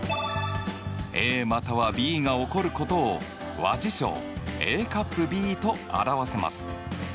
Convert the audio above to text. ＡまたはＢが起こることを和事象Ａ∪Ｂと表せます。